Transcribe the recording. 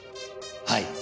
はい。